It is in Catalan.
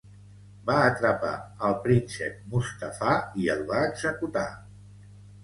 Va atrapar el príncep Mustafà i el va executar.